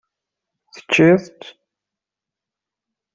Teččiḍ-t?